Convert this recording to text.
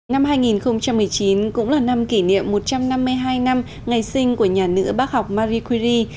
năm hai nghìn một mươi chín cũng là năm kỷ niệm một trăm năm mươi hai năm ngày sinh của nhà nữ bác học marikuri